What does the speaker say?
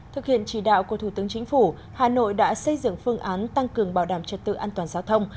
thực hiện chỉ đạo của thủ tướng chính phủ hà nội đã xây dựng phương án tăng cường bảo đảm trật tự an toàn giao thông